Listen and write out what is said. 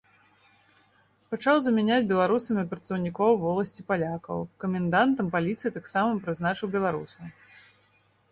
Пачаў замяняць беларусамі працаўнікоў воласці палякаў, камендантам паліцыі таксама прызначыў беларуса.